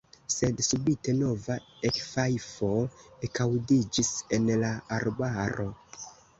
Sed subite nova ekfajfo ekaŭdiĝis en la arbaro.